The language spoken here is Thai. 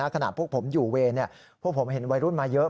ขนาดพวกผมอยู่เวลนี่พวกผมเห็นไวรุ่นมาเยอะ